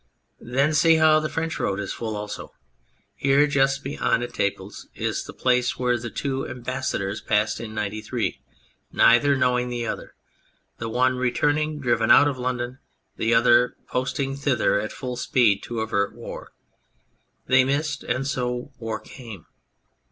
Then see how the French road is full also. Here, just beyond Etaples, is the place where the two ambassadors passed in '93, neither knowing the other : the one returning, driven out of London, the other posting thither at full speed to avert war. They missed, and so war came.